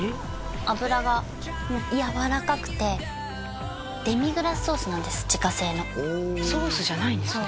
脂がもうやわらかくてデミグラスソースなんです自家製のおおソースじゃないんですね